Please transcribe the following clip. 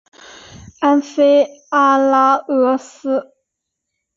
安菲阿拉俄斯。